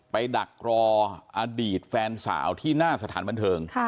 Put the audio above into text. ดักรออดีตแฟนสาวที่หน้าสถานบันเทิง